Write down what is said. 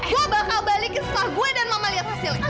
gua bakal balikin setelah gue dan mama liat hasilnya